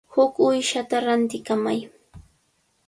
Huk uyshata rantikamay.